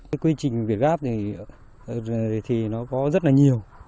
cái quy trình việt gap thì nó có rất là nhiều